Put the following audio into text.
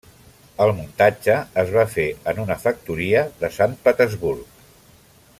El muntatge es va fer en una factoria de Sant Petersburg.